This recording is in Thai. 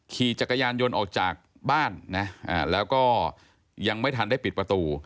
ขี่จักรยานยนต์ออกจากบ้านนะแล้วก็ยังไม่ทันได้ปิดประตู